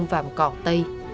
vảm cỏ tây